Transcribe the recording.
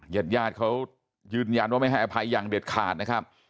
ญาติญาติเขายืนยันว่าไม่ให้อภัยอย่างเด็ดขาดนะครับ